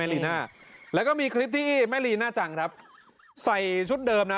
ลีน่าแล้วก็มีคลิปที่แม่ลีน่าจังครับใส่ชุดเดิมนะ